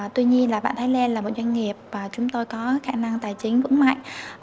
tuy nhiên là bạn thái lan là một doanh nghiệp và chúng tôi có khả năng tài chính vững mạnh